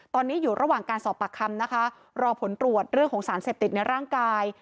ตอนนี้อยู่ระหว่างการสอบปากคำนะคะรอผลตรวจเรื่องของสารเสพติดในร่างกาย